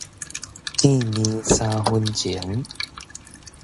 見面三分情